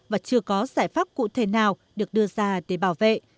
và chưa có giải pháp cụ thể nào được đưa ra để bảo vệ